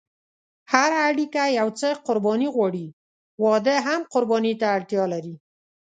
هره اړیکه یو څه قرباني غواړي، واده هم قرباني ته اړتیا لري.